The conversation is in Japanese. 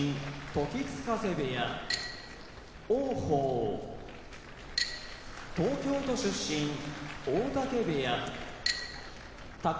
時津風部屋王鵬東京都出身大嶽部屋宝